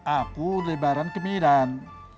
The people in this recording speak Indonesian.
aku lebaran kemiran